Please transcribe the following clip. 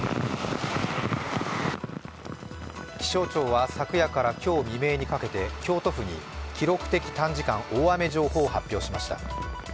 気象庁は昨夜から今日未明にかけて京都府に記録的短時間大雨情報を発表しました。